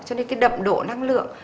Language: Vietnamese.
cho nên cái đậm độ năng lượng